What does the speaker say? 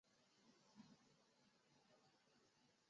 此站与桂山站之间存有急弯。